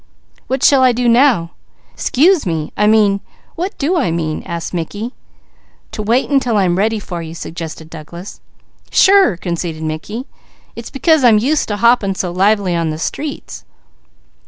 "What shall I do now? 'Scuse me, I mean what do I mean?" asked Mickey. "To wait until I'm ready for you," suggested Douglas. "Sure!" conceded Mickey. "It's because I'm used to hopping so lively on the streets."